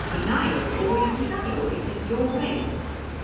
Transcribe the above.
'Denial, always denial; it is your way.'